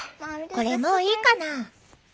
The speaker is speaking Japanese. これもういいかな？